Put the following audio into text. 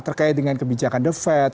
terkait dengan kebijakan the fed